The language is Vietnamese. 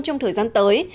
trong thời gian tới